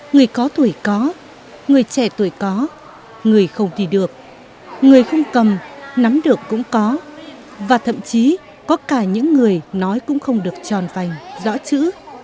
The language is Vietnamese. người có tuổi có người trẻ tuổi có người không đi được người không cầm nắm được cũng có và thậm chí có cả những người nói cũng không được tròn vành rõ chữ